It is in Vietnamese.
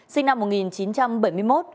sinh năm một nghìn chín trăm bảy mươi một